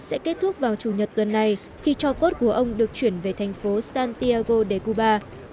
sẽ kết thúc vào chủ nhật tuần này khi cho cốt của ông được chuyển về thành phố santiago để cuba